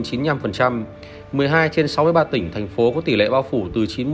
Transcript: một mươi hai trên sáu mươi ba tỉnh thành phố có tỷ lệ bao phủ từ chín mươi đến chín mươi năm